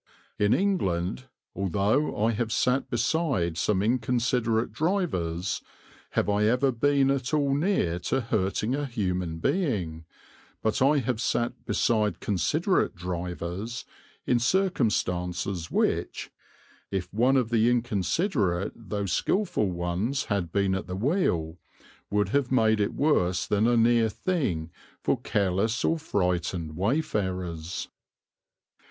In England, although I have sat beside some inconsiderate drivers, have I ever been at all near to hurting a human being; but I have sat beside considerate drivers in circumstances which, if one of the inconsiderate though skilful ones had been at the wheel, would have made it worse than a near thing for careless or frightened wayfarers.